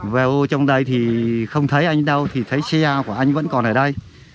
vo trong đây thì không thấy anh đâu thì thấy xe của anh vẫn còn ở đây